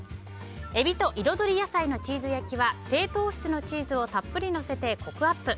エビと彩り野菜のチーズ焼きは低糖質のチーズをたっぷりのせてコクアップ。